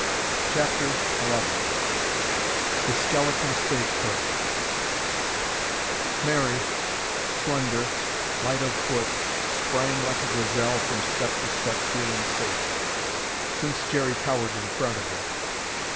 CHAPTER XI THE SKELETON STAGE COACH Mary, slender, light of foot, sprang like a gazelle from step to step feeling safe, since Jerry towered in front of her.